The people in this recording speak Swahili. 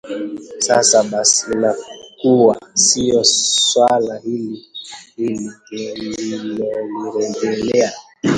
Sasa basi inakuwa sio swala hili hili tunalolirejelea